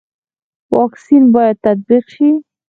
واکسین باید تطبیق شي